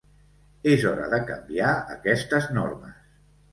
És hora de canviar aquestes normes.